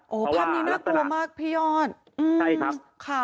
ข้อมูลบอกว่างี้น่ากลัวมากพี่ยอห์น